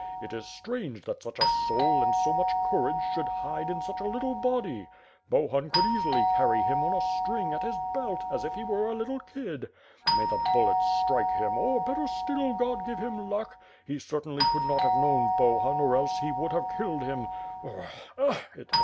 It is strange that such a soul and so much couraage ehould hide in such a litle body. Bohun could easily carry him on a string at his belt, as if he were a little kid. May the bullets strike him or, better still, God give him luck. He certainly could not have known Boluin or else he would have killed him.